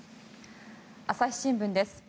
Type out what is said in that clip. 朝日新聞です。